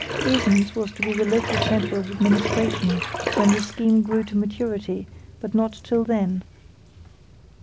Esens was to be the local centre of administration when the scheme grew to maturity, but not till then.